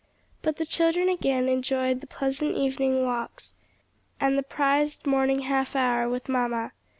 But the children again enjoyed the pleasant evening talks, and the prized morning half hour with mamma.